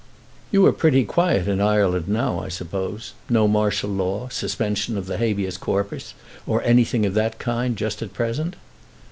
"You are pretty quiet in Ireland now, I suppose; no martial law, suspension of the habeas corpus, or anything of that kind, just at present?"